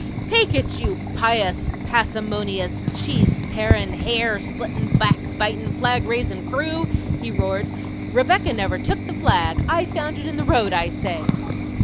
"Take it, you pious, passimonious, cheese parin', hair splittin', back bitin', flag raisin' crew!" he roared. "Rebecca never took the flag; I found it in the road, I say!"